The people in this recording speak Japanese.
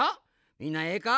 みんなええか？